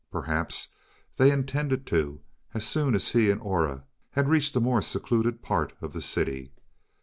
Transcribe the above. Perhaps they intended to as soon as he and Aura had reached a more secluded part of the city.